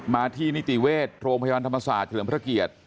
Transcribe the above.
ที่นิติเวชโรงพยาบาลธรรมศาสตร์เฉลิมพระเกียรติ